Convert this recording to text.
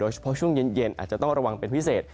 เฉพาะช่วงเย็นอาจจะต้องระวังเป็นพิเศษ